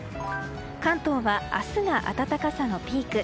関東は明日が暖かさのピーク。